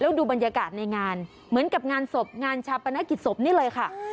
ดูบรรยากาศในงานเหมือนกับงานศพงานชาปนกิจศพนี่เลยค่ะ